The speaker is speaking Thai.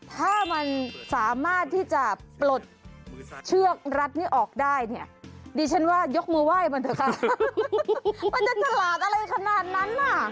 ถ้ามันสามารถที่จะปลดเชือกรัดนี้ออกได้เนี่ยดิฉันว่ายกมือไหว้มันเถอะค่ะมันจะฉลาดอะไรขนาดนั้นน่ะ